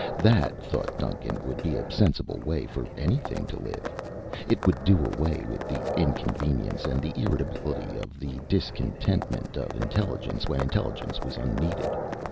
That, thought Duncan, would be a sensible way for anything to live. It would do away with the inconvenience and the irritability and the discontentment of intelligence when intelligence was unneeded.